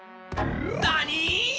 ・なに！